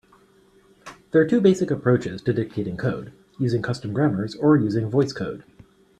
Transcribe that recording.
There are two basic approaches to dictating code: using custom grammars or using VoiceCode.